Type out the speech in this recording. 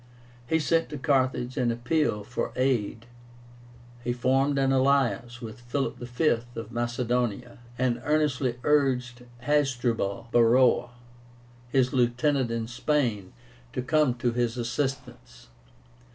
He sent to Carthage an appeal for aid. He formed an alliance with Philip V. of Macedonia, and earnestly urged Hasdrubal Baroa, his lieutenant in Spain, to come to his assistance.